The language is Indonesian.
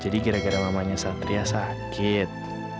jadi gara gara mamanya satria sakit